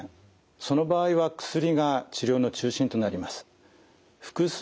その場合は薬が治療の中心となります。